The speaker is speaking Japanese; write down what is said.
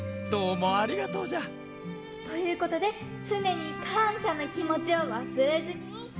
どうもありがとうじゃ！ということでつねにかんしゃのきもちをわすれずに！